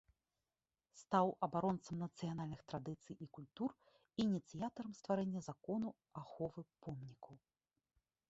Стаў абаронцам нацыянальных традыцый і культуры і ініцыятарам стварэння закону аховы помнікаў.